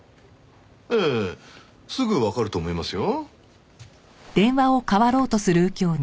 ええすぐわかると思いますよ。